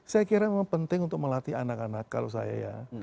saya kira memang penting untuk melatih anak anak kalau saya ya